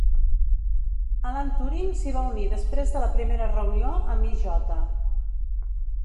Alan Turing s'hi va unir després de la primera reunió amb I. J.